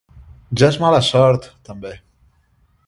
Ja és mala sort, també!